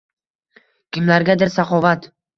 Kimlargadir — saxovat.